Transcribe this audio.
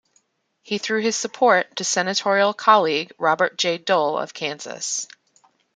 He threw his support to senatorial colleague Robert J. Dole of Kansas.